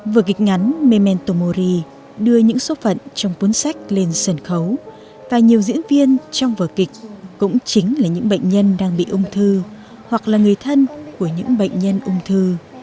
vở kịch ngắn mementomori đưa những số phận trong cuốn sách lên sân khấu và nhiều diễn viên trong vở kịch cũng chính là những bệnh nhân đang bị ung thư hoặc là người thân của những bệnh nhân ung thư